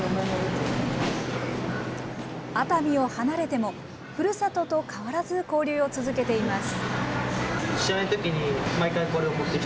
熱海を離れても、ふるさとと変わらず交流を続けています。